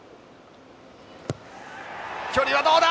距離はどうだ！